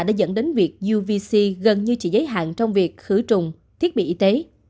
đã dẫn đến việc uvc gần như chỉ giới hạn trong việc khử trùng thiết bị y tế